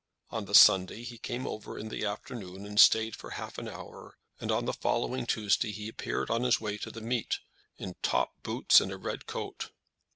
On the Sunday he came over in the afternoon and stayed for half an hour, and on the following Tuesday he appeared on his way to the meet in top boots and a red coat.